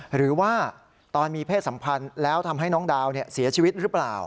หรือว่าตอนมีเพศสัมพันธ์แล้วทำให้น้องดาวเสียชีวิตหรือเปล่า